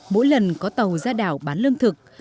mỗi lần có tàu ra đảo bán lương thực